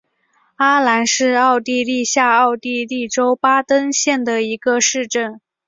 阿兰是奥地利下奥地利州巴登县的一个市镇。